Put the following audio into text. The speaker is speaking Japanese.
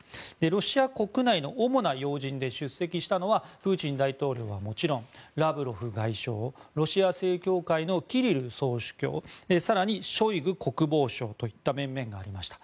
ロシア国内の主な要人で出席したのはプーチン大統領はもちろんラブロフ外相ロシア正教会のキリル総主教更にショイグ国防相といった面々がありました。